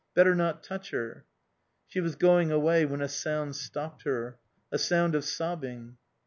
Better not touch her." She was going away when a sound stopped her. A sound of sobbing.